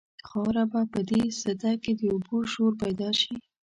خاورې به په دې سده کې د اوبو شور پیدا شي.